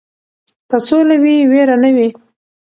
که سوله وي ویره نه وي.